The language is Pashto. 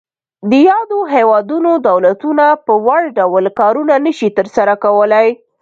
د یادو هیوادونو دولتونه په وړ ډول کارونه نشي تر سره کولای.